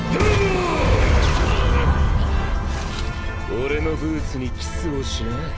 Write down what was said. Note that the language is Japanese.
俺のブーツにキスをしな。